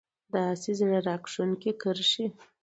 داسې زړه راښکونکې کرښې